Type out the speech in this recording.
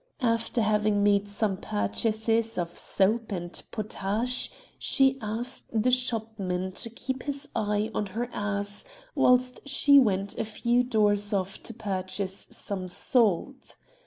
After having made some purchases of soap and potash she asked the shopman to keep his eye on her ass whilst she went a few doors off to purchase some salt.